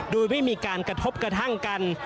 โดยไม่มีการกระทบกระทั่งกัน